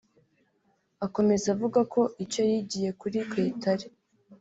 Akomeza avuga ko icyo yigiye kuri Kayitare